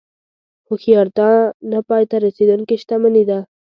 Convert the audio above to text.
هوښیارتیا نه پای ته رسېدونکې شتمني ده.